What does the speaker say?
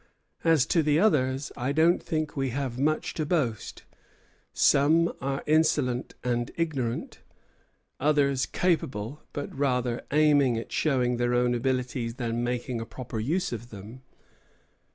As to the others, I don't think we have much to boast; some are insolent and ignorant, others capable, but rather aiming at showing their own abilities than making a proper use of them.